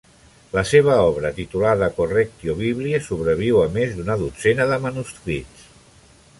La seva obra, titulada "Correctio Biblie", sobreviu a més d'una dotzena de manuscrits.